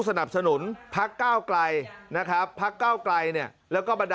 สนับสนุนพักก้าวไกลนะครับพักเก้าไกลเนี่ยแล้วก็บรรดา